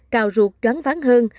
cao ruột doán ván hơn